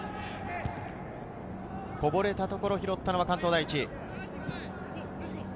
こぼれたところを拾ったのは関東第一。